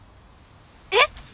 えっ？